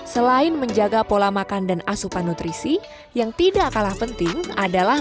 selain menjaga pola makan dan asupan nutrisi yang tidak kalah penting adalah